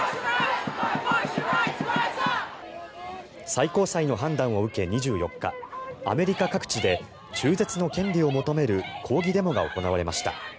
最高裁の判断を受け２４日アメリカ各地で中絶の権利を求める抗議デモが行われました。